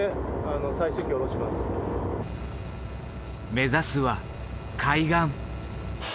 目指すは海岸。